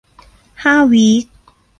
ห้าวีค